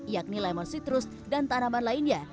yakni lemon sitrus dan tanaman lainnya